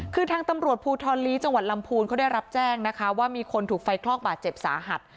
คือทางตำรวจภูทรลีจังหวัดลำพูนเขาได้รับแจ้งนะคะว่ามีคนถูกไฟคลอกบาดเจ็บสาหัส